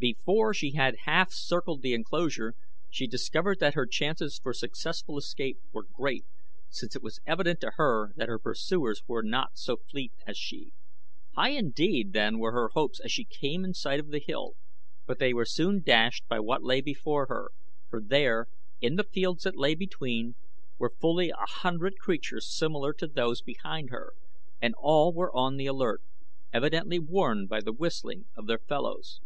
Before she had half circled the enclosure she discovered that her chances for successful escape were great, since it was evident to her that her pursuers were not so fleet as she. High indeed then were her hopes as she came in sight of the hill, but they were soon dashed by what lay before her, for there, in the fields that lay between, were fully a hundred creatures similar to those behind her and all were on the alert, evidently warned by the whistling of their fellows.